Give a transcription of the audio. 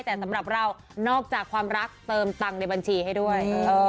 แต่สำหรับเรานอกจากความรักเติมตังค์ในบัญชีให้ด้วย